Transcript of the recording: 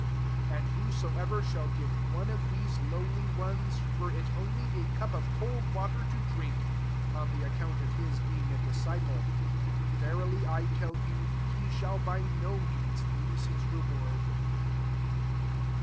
42 And whoso ever shall give one of these lowly ones, were it only a cup of cold water to drink, on the account of his heing a disciple, verily I tell you, he shall bj ik> means lose his reward."